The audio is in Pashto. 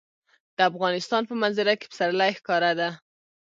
د افغانستان په منظره کې پسرلی ښکاره ده.